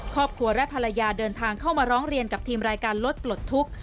ครอบครัวและภรรยาเดินทางเข้ามาร้องเรียนกับทีมรายการรถปลดทุกข์